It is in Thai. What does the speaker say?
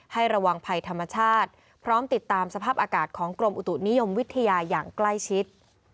ให้ระวังภัยธรรมชาติพร้อมติดตามสภาพอากาศของกรมอุตุนิยมวิทยาอย่างใกล้ชิด